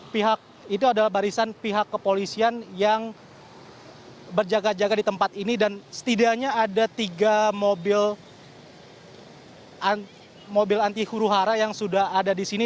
pihak itu adalah barisan pihak kepolisian yang berjaga jaga di tempat ini dan setidaknya ada tiga mobil anti huru hara yang sudah ada di sini